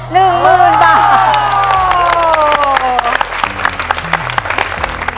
๑หมื่นบาท